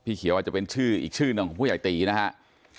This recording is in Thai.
เขียวอาจจะเป็นชื่ออีกชื่อหนึ่งของผู้ใหญ่ตีนะครับ